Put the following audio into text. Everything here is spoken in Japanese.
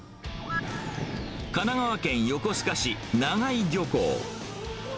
神奈川県横須賀市長井漁港。